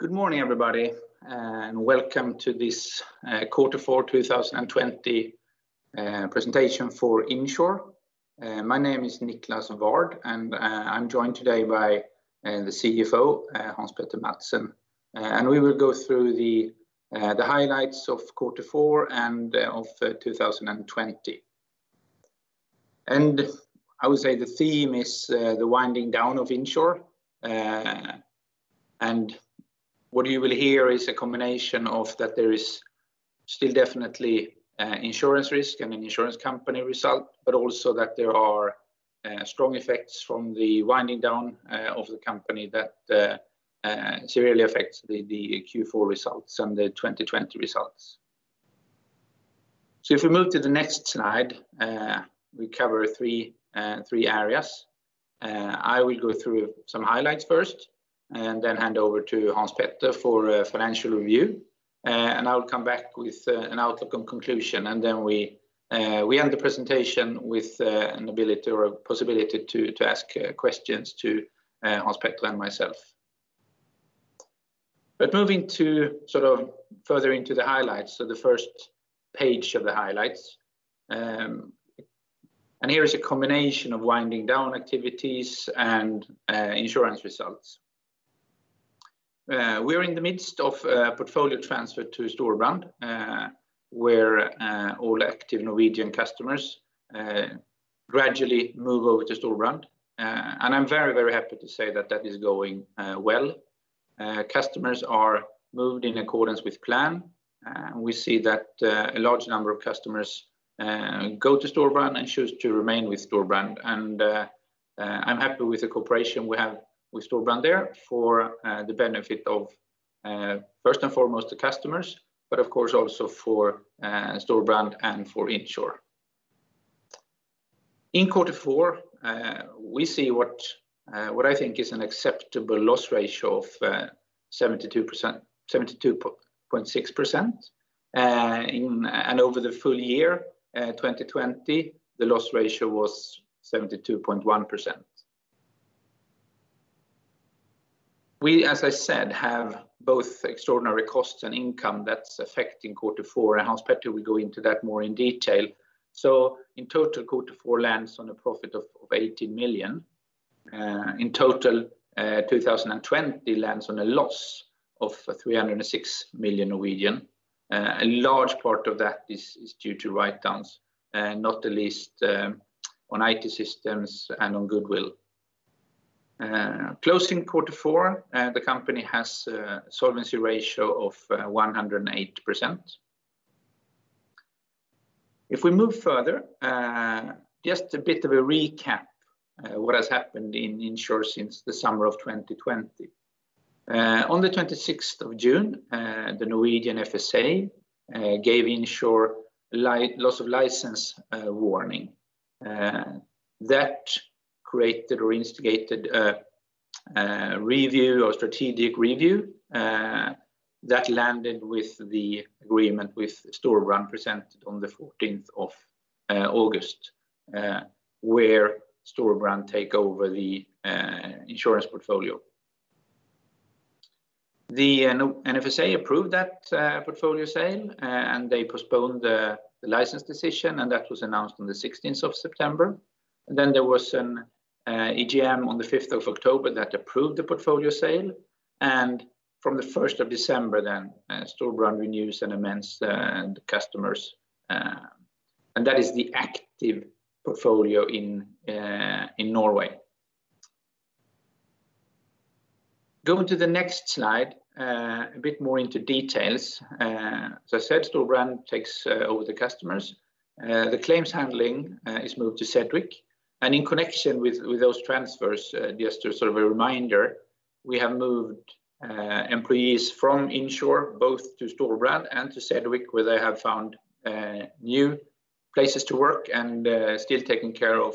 Good morning, everybody, and Welcome to this Quarter Four 2020 presentation for Insr. My name is Niclas Ward, and I'm joined today by the CFO, Hans Petter Madsen, and we will go through the highlights of quarter four and of 2020. I would say the theme is the winding down of Insr. What you will hear is a combination of that there is still definitely insurance risk and an insurance company result, but also that there are strong effects from the winding down of the company that seriously affects the Q4 results and the 2020 results. If we move to the next slide, we cover three areas. I will go through some highlights first and then hand over to Hans Petter for a financial review. And I will come back with an outlook and conclusion, and then we end the presentation with an ability or a possibility to ask questions to Hans Petter and myself. Moving further into the highlights. The first page of the highlights. Here is a combination of winding down activities and insurance results. We are in the midst of a portfolio transfer to Storebrand, where all active Norwegian customers gradually move over to Storebrand. I'm very happy to say that that is going well. Customers are moved in accordance with plan. We see that a large number of customers go to Storebrand and choose to remain with Storebrand. I'm happy with the cooperation we have with Storebrand there for the benefit of, first and foremost, the customers, but of course also for Storebrand and for Insr. In quarter four, we see what I think is an acceptable loss ratio of 72.6%. Over the full year 2020, the loss ratio was 72.1%. We, as I said, have both extraordinary costs and income that's affecting quarter four, and Hans Petter will go into that more in detail. In total, quarter four lands on a profit of 18 million. In total, 2020 lands on a loss of 306 million. A large part of that is due to write-downs, not the least on IT systems and on goodwill. Closing quarter four, the company has a solvency ratio of 108%. If we move further, just a bit of a recap, what has happened in Insr since the summer of 2020. On the 26th of June, the Norwegian FSA gave Insr loss of license warning. That created or instigated a strategic review that landed with the agreement with Storebrand presented on the 14th of August, where Storebrand take over the insurance portfolio. The NFSA approved that portfolio sale. They postponed the license decision. That was announced on the 16th of September. There was an AGM on the 5th of October that approved the portfolio sale. From the 1st of December then, Storebrand renews and amends the customers. That is the active portfolio in Norway. Going to the next slide, a bit more into details. As I said, Storebrand takes over the customers. The claims handling is moved to Sedgwick. In connection with those transfers, just as sort of a reminder, we have moved employees from Insr both to Storebrand and to Sedgwick, where they have found new places to work and still taking care of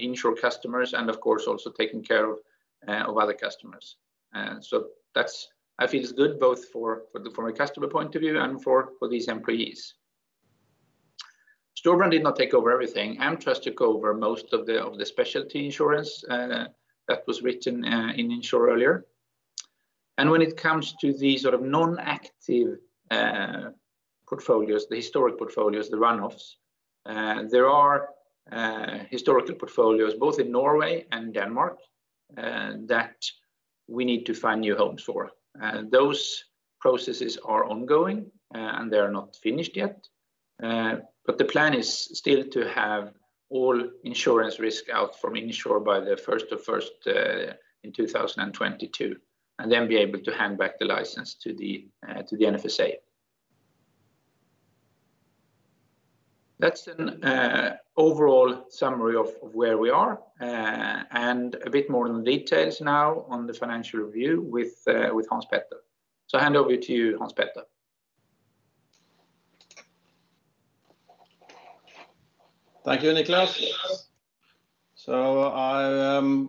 Insr customers and, of course, also taking care of other customers. That feels good both from a customer point of view and for these employees. Storebrand did not take over everything. AmTrust took over most of the specialty insurance that was written in Insr earlier. When it comes to the non-active portfolios, the historic portfolios, the run-offs, there are historical portfolios both in Norway and Denmark that we need to find new homes for. Those processes are ongoing, and they are not finished yet. The plan is still to have all insurance risk out from Insr by January 1, 2022, and then be able to hand back the license to the NFSA. That's an overall summary of where we are and a bit more on the details now on the financial review with Hans Petter. I hand over to you, Hans Petter. Thank you, Niclas. I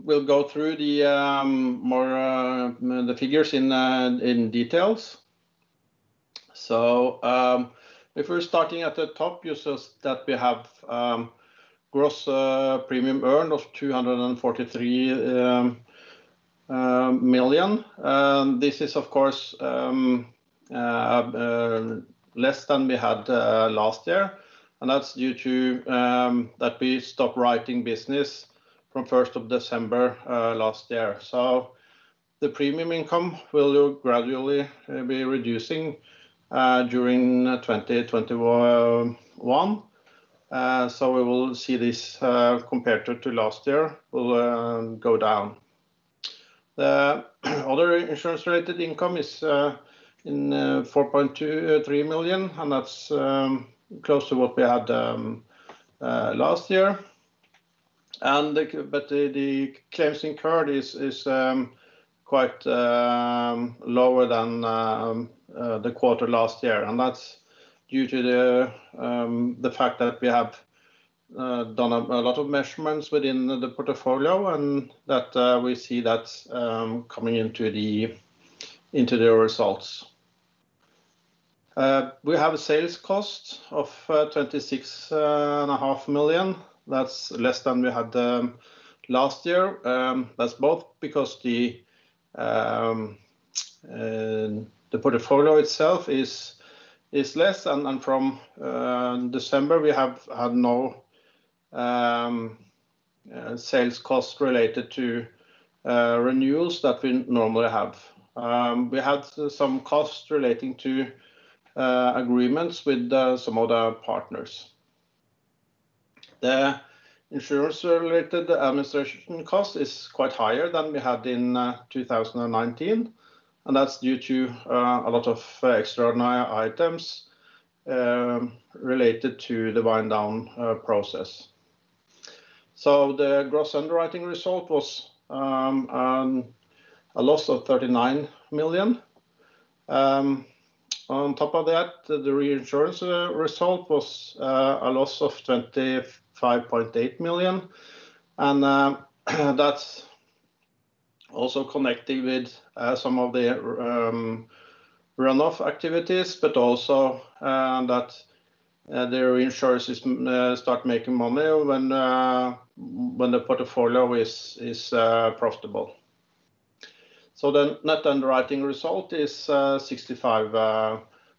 will go through the figures in details. If we're starting at the top, you see that we have gross premium earned of 243 million. This is, of course, less than we had last year. That's due to that we stopped writing business from 1st of December last year. The premium income will gradually be reducing during 2021. We will see this compared to last year will go down. The other insurance-related income is 4.23 million, that's close to what we had last year. The claims incurred is quite lower than the quarter last year. That's due to the fact that we have done a lot of measurements within the portfolio and that we see that coming into the results. We have a sales cost of 26.5 million. That's less than we had last year. That's both because the portfolio itself is less and from December, we have had no sales cost related to renewals that we normally have. We had some costs relating to agreements with some other partners. The insurance-related administration cost is quite higher than we had in 2019, and that's due to a lot of extraordinary items related to the wind down process. The gross underwriting result was a loss of 39 million. On top of that, the reinsurance result was a loss of 25.8 million, and that's also connected with some of the run-off activities, but also that the reinsurers start making money when the portfolio is profitable. The net underwriting result is a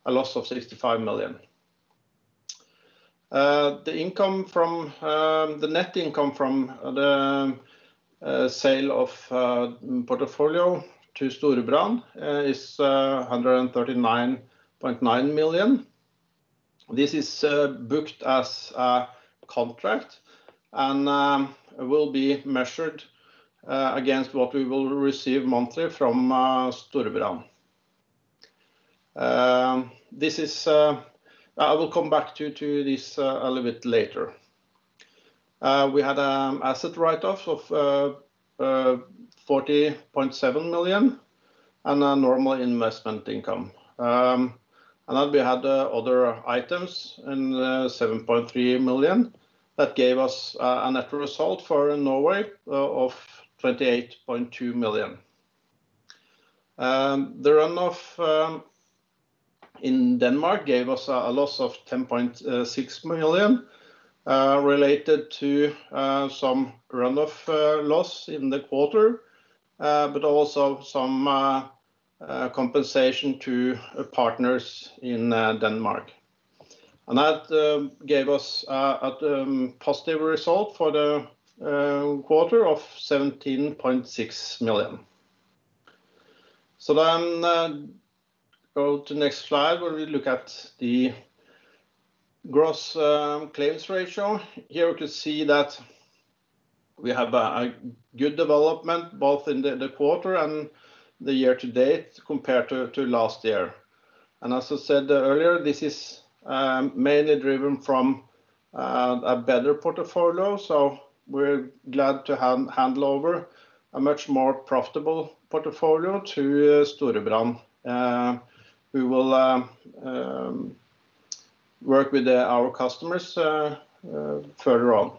loss of 65 million. The net income from the sale of portfolio to Storebrand is 139.9 million. This is booked as a contract and will be measured against what we will receive monthly from Storebrand. I will come back to this a little bit later. We had asset write-off of 40.7 million and a normal investment income. We had other items in 7.3 million that gave us a net result for Norway of 28.2 million. The run-off in Denmark gave us a loss of 10.6 million, related to some run-off loss in the quarter, but also some compensation to partners in Denmark. That gave us a positive result for the quarter of 17.6 million. Go to next slide where we look at the gross claims ratio. Here we can see that we have a good development both in the quarter and the year to date compared to last year. As I said earlier, this is mainly driven from a better portfolio. We're glad to hand over a much more profitable portfolio to Storebrand, who will work with our customers further on.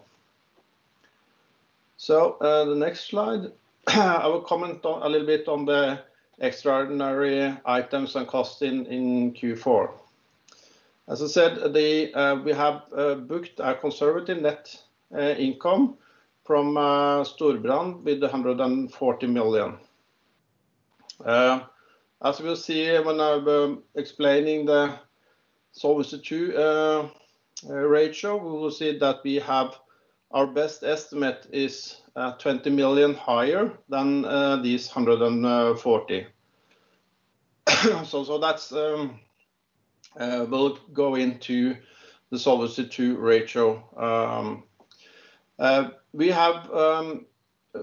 The next slide. I will comment a little bit on the extraordinary items and cost in Q4. As I said, we have booked a conservative net income from Storebrand with 140 million. As we'll see when I'm explaining the Solvency II ratio, we will see that we have our best estimate is 20 million higher than these 140. That will go into the Solvency II ratio. We have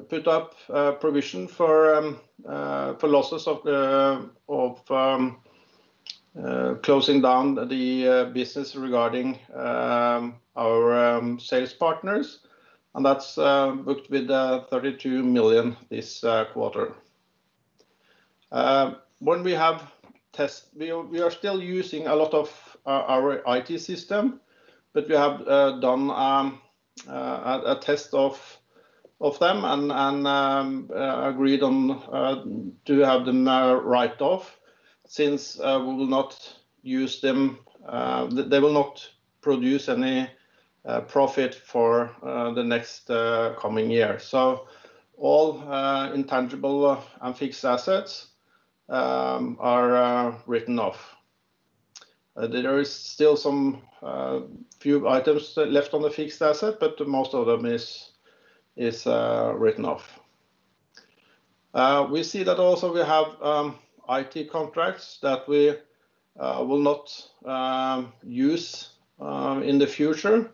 put up a provision for losses of closing down the business regarding our sales partners, and that's booked with 32 million this quarter. We are still using a lot of our IT system, but we have done a test of them and agreed to have them now write off since we will not use them. They will not produce any profit for the next coming year. All intangible and fixed assets are written off. There is still some few items left on the fixed asset, but most of them is written off. We see that also we have IT contracts that we will not use in the future.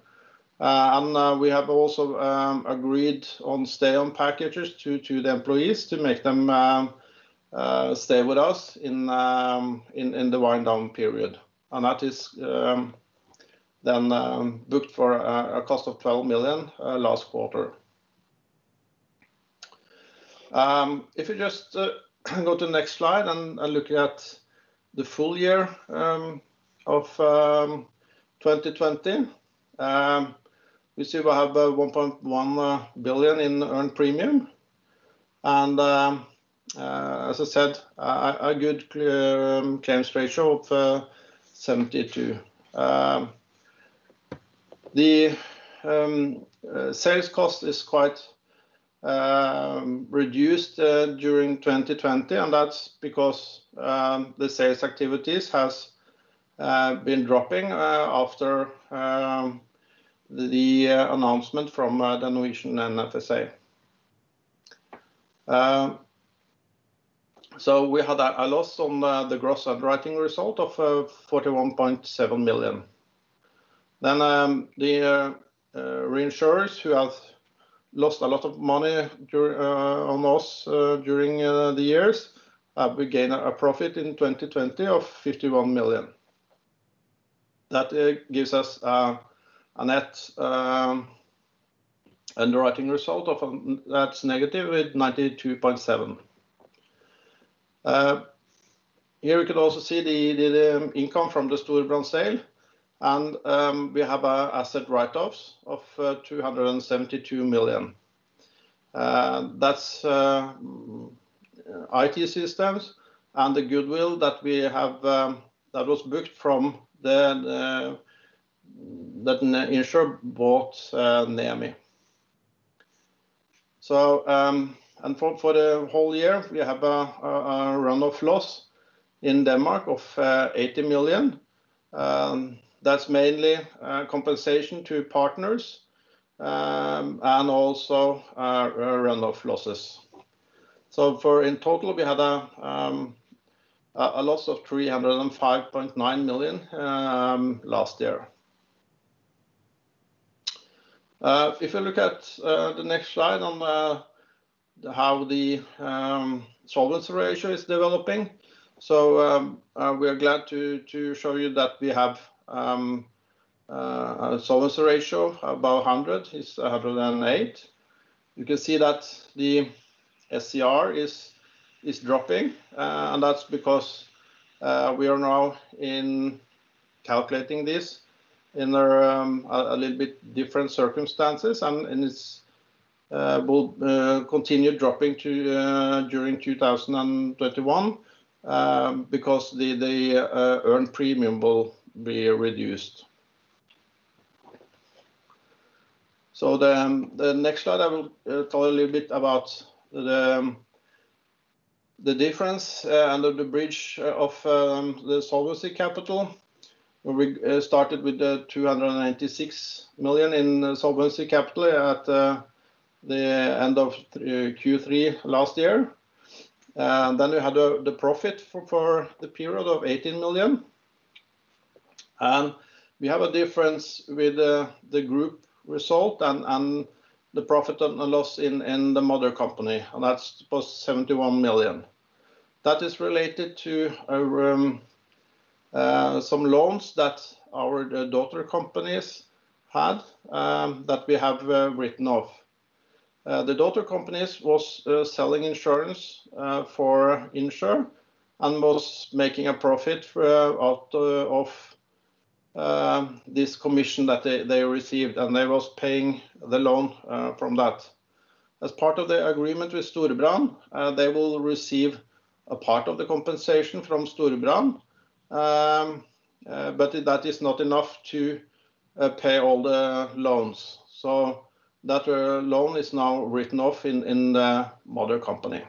We have also agreed on stay-on packages to the employees to make them stay with us in the wind down period. That is then booked for a cost of 12 million last quarter. If you just go to the next slide and look at the full year of 2020. We see we have 1.1 billion in earned premium. As I said, a good claims ratio of 72. The sales cost is quite reduced during 2020, and that's because the sales activities has been dropping after the announcement from Insr and FSA. We had a loss on the gross underwriting result of 41.7 million. The reinsurers who have lost a lot of money on us during the years, we gain a profit in 2020 of 51 million. That gives us a net underwriting result of, that's negative at 92.7. Here we could also see the income from the Storebrand sale, and we have asset write-offs of 272 million. That's IT systems and the goodwill that was booked from the Insr bought Nemi. For the whole year, we have a run-off loss in Denmark of 80 million. That's mainly compensation to partners, and also run-off losses. In total, we had a loss of 305.9 million last year. If you look at the next slide on how the solvency ratio is developing. We are glad to show you that we have a solvency ratio about 100%. It's 108%. You can see that the SCR is dropping. That's because we are now in calculating this in a little bit different circumstances. It will continue dropping during 2021, because the earned premium will be reduced. The next slide I will talk a little bit about the difference under the bridge of the solvency capital, where we started with the 296 million in solvency capital at the end of Q3 last year. Then we had the profit for the period of 18 million. We have a difference with the group result and the profit and the loss in the mother company, and that was 71 million. That is related to some loans that our daughter companies had that we have written off. The daughter companies was selling insurance for Insr and was making a profit out of this commission that they received, and they was paying the loan from that. As part of the agreement with Storebrand, they will receive a part of the compensation from Storebrand. That is not enough to pay all the loans. That loan is now written off in the mother company.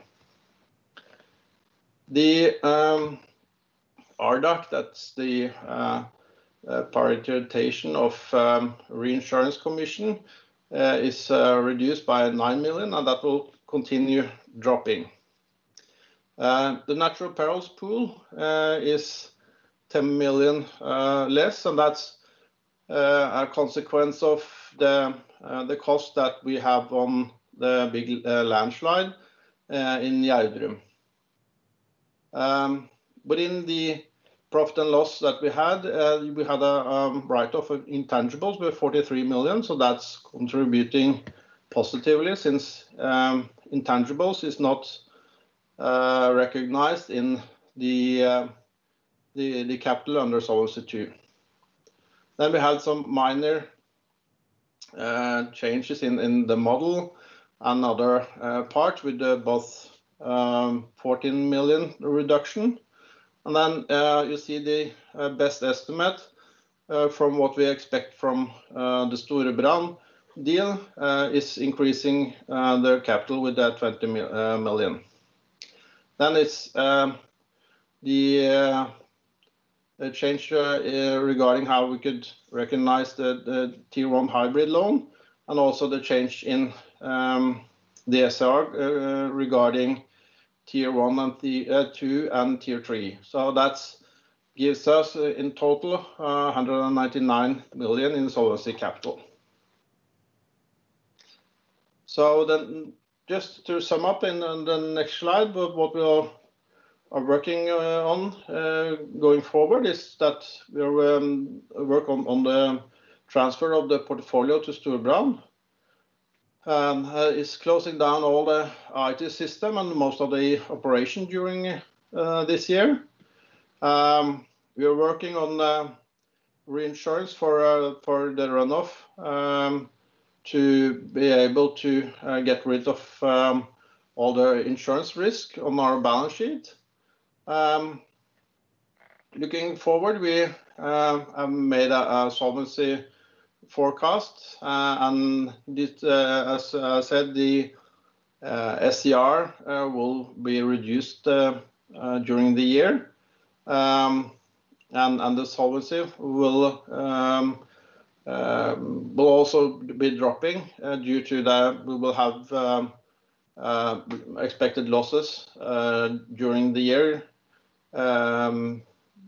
The.. Our DAC, that's the amortization of reinsurance commission, is reduced by 9 million, and that will continue dropping. The natural perils pool is 10 million less, and that's a consequence of the cost that we have on the big landslide in Gjerdrum. Within the profit and loss that we had, we had a write-off of intangibles. We have 43 million, so that's contributing positively since intangibles is not recognized in the capital under Solvency II. We had some minor changes in the model. Another part with both 14 million reduction. Then you see the best estimate from what we expect from the Storebrand deal is increasing their capital with that NOK 20 million. It's the change regarding how we could recognize the tier one hybrid loan, and also the change in the SCR regarding tier two and tier three. That gives us in total 199 million in solvency capital. Just to sum up in the next slide, what we are working on going forward is that we are work on the transfer of the portfolio to Storebrand, is closing down all the IT system and most of the operation during this year. We are working on reinsurance for the run-off, to be able to get rid of all the insurance risk on our balance sheet. Looking forward, we have made a solvency forecast. As I said, the SCR will be reduced during the year. The solvency will also be dropping due to that we will have expected losses during the year,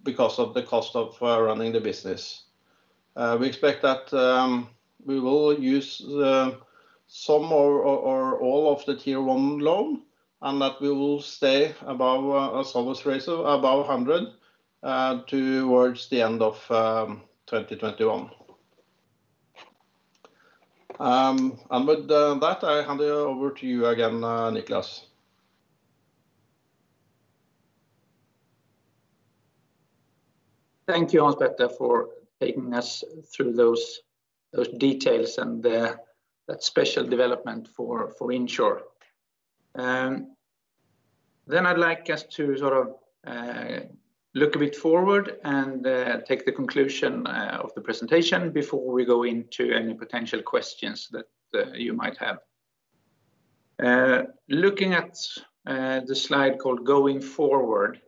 because of the cost of running the business. We expect that we will use some or all of the tier one loan, and that we will stay above a solvency ratio above 100 towards the end of 2021. With that, I hand it over to you again, Niclas. Thank you, Hans Petter, for taking us through those details and that special development for Insr. I'd like us to look a bit forward and take the conclusion of the presentation before we go into any potential questions that you might have. Looking at the slide called Going Forward,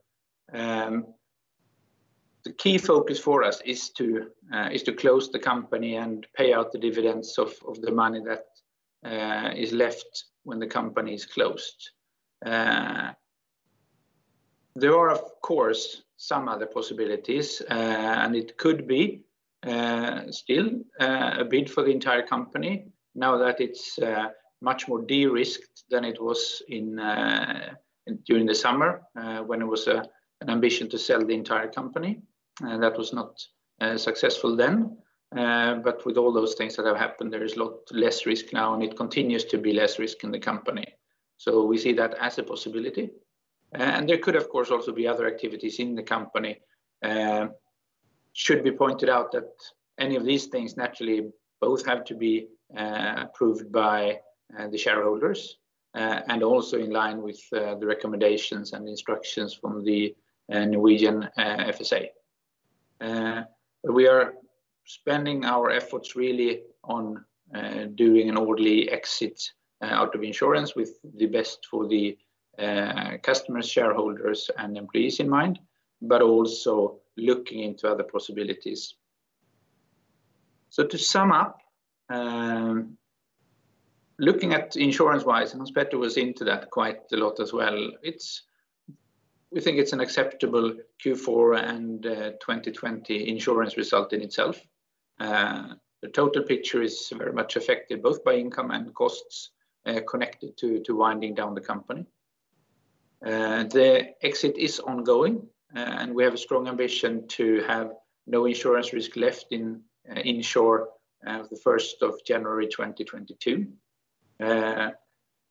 the key focus for us is to close the company and pay out the dividends of the money that is left when the company is closed. There are, of course, some other possibilities, and it could be still a bid for the entire company now that it's much more de-risked than it was during the summer, when it was an ambition to sell the entire company. That was not successful then. With all those things that have happened, there is a lot less risk now, and it continues to be less risk in the company. We see that as a possibility. There could, of course, also be other activities in the company. Should be pointed out that any of these things naturally both have to be approved by the shareholders, and also in line with the recommendations and instructions from the Norwegian FSA. We are spending our efforts really on doing an orderly exit out of insurance with the best for the customers, shareholders, and employees in mind, but also looking into other possibilities. To sum up, looking at insurance-wise, and Hans Petter was into that quite a lot as well, we think it's an acceptable Q4 and 2020 insurance result in itself. The total picture is very much affected both by income and costs connected to winding down the company. The exit is ongoing, and we have a strong ambition to have no insurance risk left in Insr as the 1st of January 2022.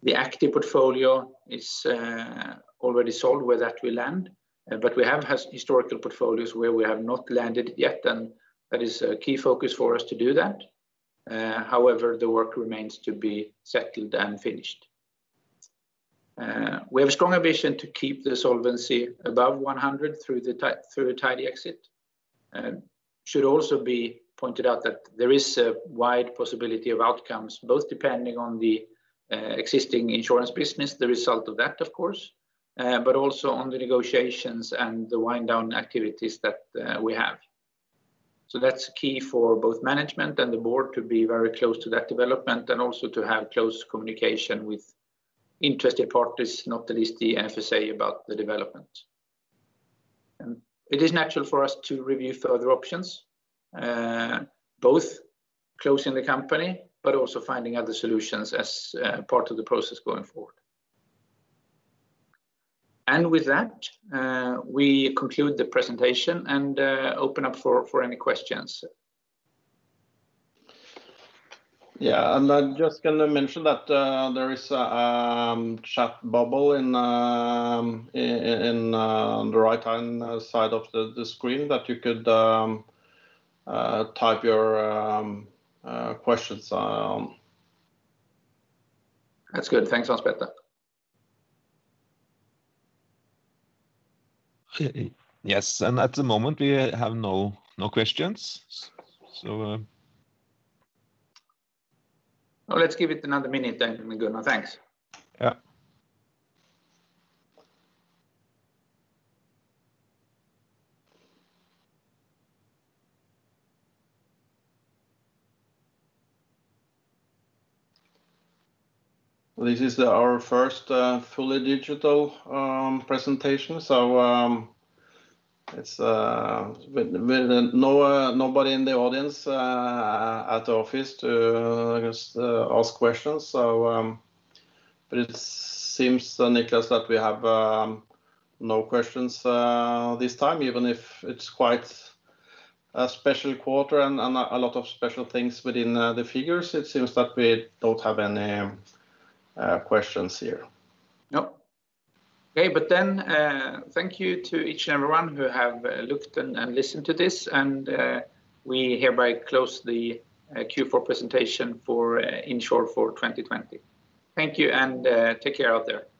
The active portfolio is already sold where that will land. We have historical portfolios where we have not landed yet, and that is a key focus for us to do that. However, the work remains to be settled and finished. We have a strong ambition to keep the solvency above 100 through a tidy exit. Should also be pointed out that there is a wide possibility of outcomes, both depending on the existing insurance business, the result of that, of course, but also on the negotiations and the wind-down activities that we have. That's key for both management and the board to be very close to that development and also to have close communication with interested parties, not least the NFSA, about the development. It is natural for us to review further options, both closing the company, but also finding other solutions as part of the process going forward. With that, we conclude the presentation and open up for any questions. Yeah. I'm just going to mention that there is a chat bubble on the right-hand side of the screen that you could type your questions. That's good. Thanks, Hans Petter. Yes, at the moment we have no questions. Well, let's give it another minute then, we go now. Thanks. Yeah. This is our first fully digital presentation, so nobody in the audience at the office to, I guess, ask questions. It seems, Niclas, that we have no questions this time, even if it's quite a special quarter and a lot of special things within the figures. It seems that we don't have any questions here. No. Okay. Thank you to each and everyone who have looked and listened to this, and we hereby close the Q4 presentation for Insr for 2020. Thank you, and take care out there.